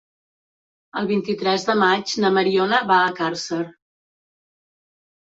El vint-i-tres de maig na Mariona va a Càrcer.